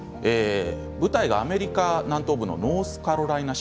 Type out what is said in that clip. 舞台は、アメリカ南東部のノースカロライナ州。